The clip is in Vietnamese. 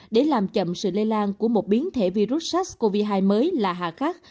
để làm chậm sự lây lan của một biến thể virus sars cov hai mới là hạ khắc